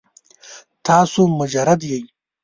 تاسو مجرد یې؟